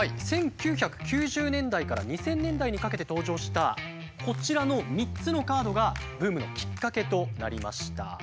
１９９０年代から２０００年代にかけて登場したこちらの３つのカードがブームのきっかけとなりました。